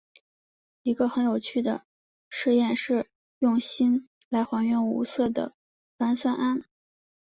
一个很有趣的试验是用锌来还原无色的钒酸铵。